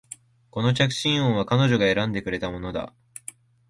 この着信音は彼女が選んでくれたものだ